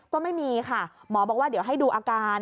ก็ไม่มีค่ะหมอบอกว่าเดี๋ยวให้ดูอาการ